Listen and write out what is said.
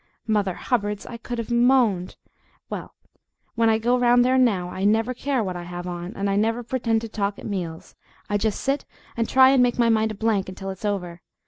MOTHER HUBBARDS! I could have moaned. Well, when I go around there now I never care what I have on, and I never pretend to talk at meals; I just sit and try and make my mind a blank until it's over.